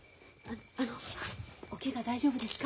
あのおケガ大丈夫ですか？